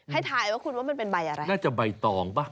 ถ่ายว่าคุณว่ามันเป็นใบอะไรน่าจะใบตองป่ะ